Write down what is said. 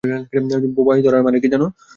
বোবায় ধরার মানে কি জানো?